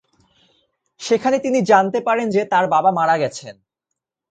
সেখানে তিনি জানতে পারেন যে তাঁর বাবা মারা গেছেন।